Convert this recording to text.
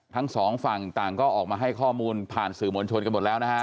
ทั้งสองฝั่งต่างก็ออกมาให้ข้อมูลผ่านสื่อมวลชนกันหมดแล้วนะฮะ